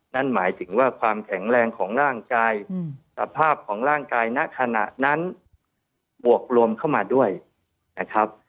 นั่นหมายถึงว่าความแข็งแรงของร่างกายสภาพของร่างกายณขณะนั้นบวกรวมเข้ามาด้วยนะครับ